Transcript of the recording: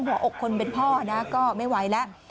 หัวอกคนเป็นพ่อนะก็ไม่ไหวแล้ว